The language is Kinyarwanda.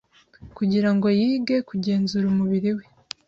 kugira ngo yige kugenzura umubiri we